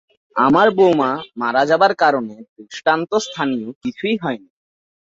আমার বৌমা মারা যাবার কারণে দৃষ্টান্তস্থানীয় কিছুই হয়নি।